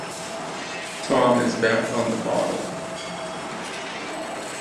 Tom is back on the bottle.